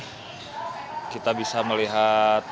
jadi kita bisa melihatnya